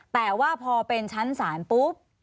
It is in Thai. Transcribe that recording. แต่ว่าพอเป็นชั้นศาลปุ๊บ